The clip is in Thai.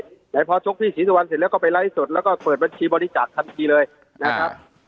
แต่พอชกพี่ศรีสุวรรณเสร็จแล้วก็ไปไลฟ์สดแล้วก็เปิดบัญชีบริจาคทันทีเลยนะครับ